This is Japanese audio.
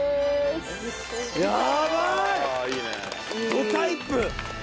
どタイプ！